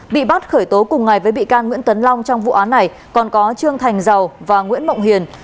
bị bắt khởi tố cùng ngày với bị can nguyễn tấn long trong vụ án này còn có trương thành giàu và nguyễn mộng hiền